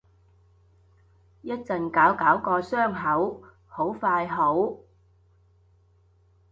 一陣搞搞個傷口，好快好